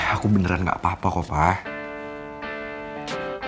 aku beneran gak apa apa kok pak